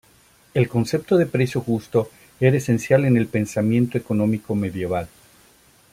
El concepto de precio justo era esencial en el pensamiento económico medieval.